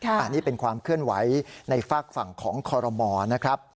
อันนี้เป็นความเคลื่อนไหวในฝากฝั่งของคอรมอนะครับ